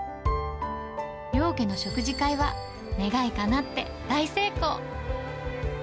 両家の食事会は願いかなって大成功。